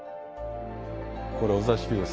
これお座敷です。